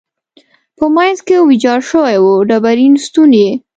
په منځ کې ویجاړ شوی و، ډبرین ستون یې.